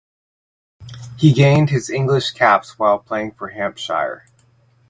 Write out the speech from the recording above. He gained his England caps while playing for Hampshire.